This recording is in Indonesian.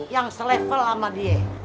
yang selevel sama dia